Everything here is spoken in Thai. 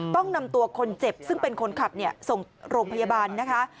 ต้องนำตัวคนเจ็บซึ่งเป็นคนขับส่งโรงพยาบาลนะคะ